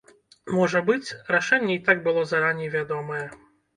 Можа быць, рашэнне і так было зараней вядомае.